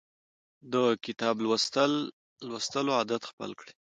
د کتاب لوستلو عادت خپل کړئ.